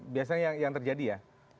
biasanya yang terjadi ya